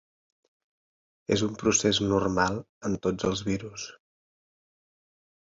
És un procés normal en tots els virus.